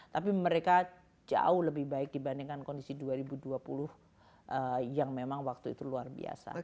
tapi mereka jauh lebih baik dibandingkan kondisi dua ribu dua puluh yang memang waktu itu luar biasa